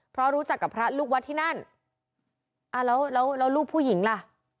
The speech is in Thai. เพราะรู้จักกับพระลูกวัดที่นั่นอ่าแล้วแล้วลูกผู้หญิงล่ะ